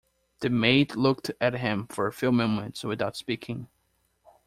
The maid looked at him for a few moments without speaking.